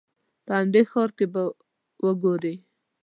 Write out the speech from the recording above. په همدې ښار کې به وګورې.